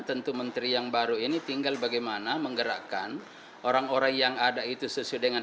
tentu menteri yang baru ini tinggal bagaimana menggerakkan orang orang yang ada itu sesuai dengan